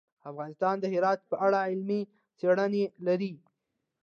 افغانستان د هرات په اړه علمي څېړنې لري.